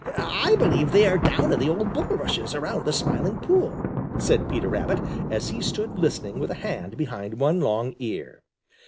"I believe they are down in the old bulrushes around the Smiling Pool," said Peter Rabbit, as he stood listening with a hand behind one long ear.